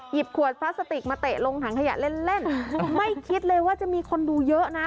ขวดพลาสติกมาเตะลงถังขยะเล่นเล่นไม่คิดเลยว่าจะมีคนดูเยอะนะ